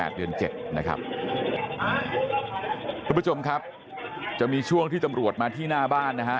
คุณผู้ชมครับจะมีช่วงที่ตำรวจมาที่หน้าบ้านนะฮะ